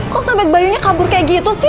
kok sobat bayunya kabur kayak gitu